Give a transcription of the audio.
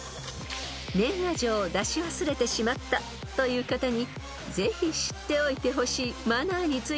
［年賀状を出し忘れてしまったという方にぜひ知っておいてほしいマナーについての問題］